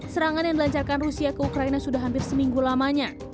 serangan yang dilancarkan rusia ke ukraina sudah hampir seminggu lamanya